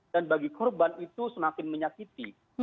bagi korban itu semakin menyakiti